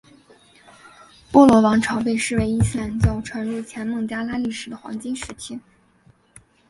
波罗王朝被视为伊斯兰教传入前孟加拉历史的黄金时期。